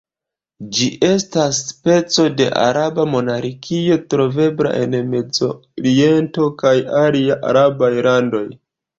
Ĝi estas speco de araba monarkio, trovebla en mezoriento kaj aliaj arabaj landoj.